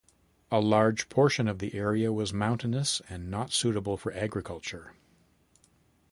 A large portion of the area was mountainous and not suitable for agriculture.